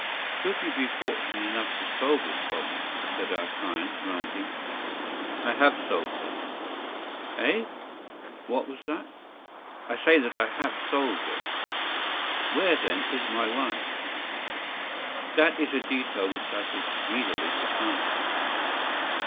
” “Should you be fortunate enough to solve this problem,” said our client, rising. “I have solved it.” “Eh? What was that?” “I say that I have solved it.” “Where, then, is my wife?” “That is a detail which I shall speedily supply.